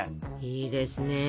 いいですね。